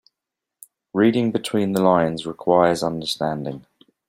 Reading between the lines requires understanding.